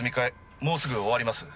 もうすぐ終わります。